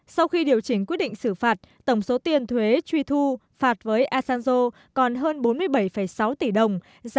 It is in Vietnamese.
sau khi điều chỉnh quyết định xử phạt tổng số tiền thuế truy thu phạt với asanjo còn hơn bốn mươi bảy